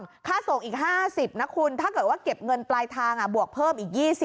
ให้ปลาการค่าทรงอีก๕๐นะคุณถ้าเก็บเงินปลายทางบวกเพิ่มอีก๒๐